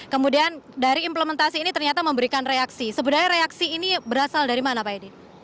kemudian dari implementasi ini ternyata memberikan reaksi sebenarnya reaksi ini berasal dari mana pak edi